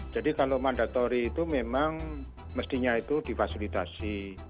kalau mandatori itu memang mestinya itu difasilitasi